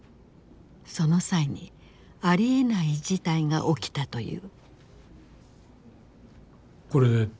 その際にありえない事態が起きたという。